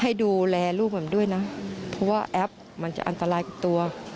ให้ดูแลลูกมันด้วยนะเพราะว่าแอปมันจะอันตรายกับตัว